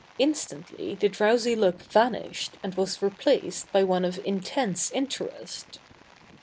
Instantly the drowsy look vanished and was replaced by one of intense interest.